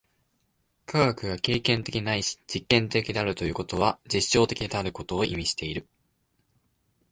科学が経験的ないし実験的であるということは、実証的であることを意味している。